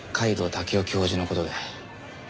武雄教授の事で。